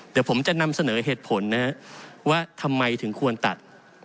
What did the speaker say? เดี๋ยวผมจะนำเสนอเหตุผลนะฮะว่าทำไมถึงควรตัด